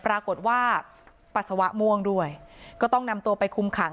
ปรากฏว่าปัสสาวะม่วงด้วยก็ต้องนำตัวไปคุมขัง